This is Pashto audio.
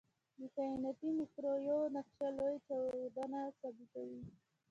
د کائناتي مایکروویو نقشه لوی چاودنه ثابتوي.